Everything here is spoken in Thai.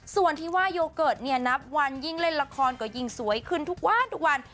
ส่วนที่ว่าโยเกิร์ตเนี่ยนับวันยิ่งเล่นละครก็ยิ่งสวยขึ้นทุกวันทุกวัน